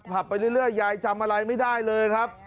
ไปเรื่อยยายจำอะไรไม่ได้เลยครับ